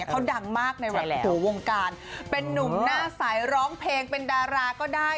เขาดังมากในหัววงการเป็นนุ่มหน้าใสร้องเพลงเป็นดาราก็ได้